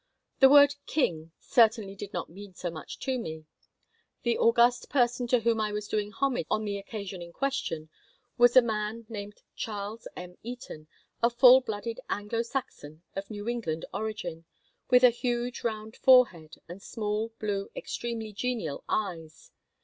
The word "king" certainly did not mean so much to me. The august person to whom I was doing homage on the occasion in question was a man named Charles M. Eaton, a full blooded Anglo Saxon of New England origin, with a huge round forehead and small, blue, extremely genial eyes.